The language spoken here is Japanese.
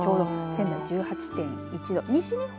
仙台も１８．１度